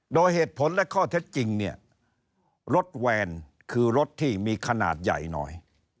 โดยเหตุผลและข้อเท็จจริงเนี่ยรถแวนคือรถที่มีขนาดใหญ่หน่อย